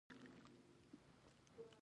دا یو ډیر مشهور متل دی